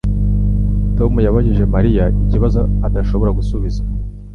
Tom yabajije Mariya ikibazo adashobora gusubiza.